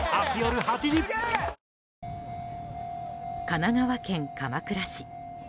神奈川県鎌倉市。